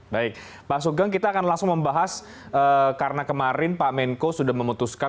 baik pak sugeng kita akan langsung membahas karena kemarin pak menko sudah memutuskan